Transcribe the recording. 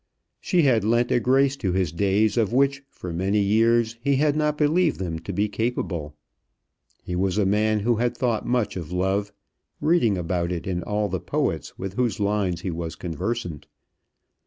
She had lent a grace to his days of which for many years he had not believed them to be capable. He was a man who had thought much of love, reading about it in all the poets with whose lines he was conversant.